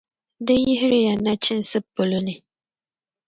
Di yihiri ya nachinsi polo ni